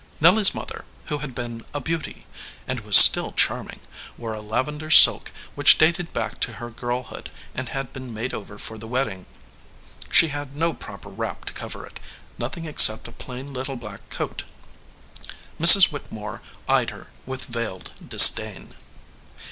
Nelly s mother, who had been a beauty, and was still charming, wore a lav ender silk which dated back to her girlhood and had been made over for the wedding. She had no proper wrap to cover it, nothing except a plain little black coat. Mrs. Whittemore eyed her with veiled disdain.